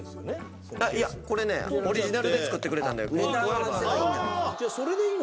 いやこれねオリジナルで作ってくれたんで。